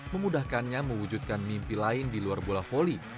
memudahkannya mewujudkan mimpi lain di luar bola volley